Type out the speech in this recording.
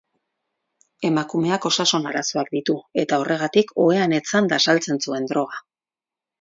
Emakumeak osasun arazoak ditu eta horregatik, ohean etzanda saltzen zuen droga.